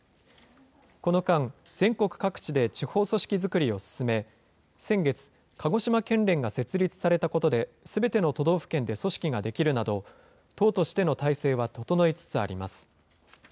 この間、全国各地で地方組織作りを進め、先月、鹿児島県連が設立されたことで、すべての都道府県で組織が出来るなど、党としての体制は整いつつあります。